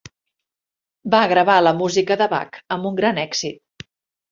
Va gravar la música de Bach amb un gran èxit.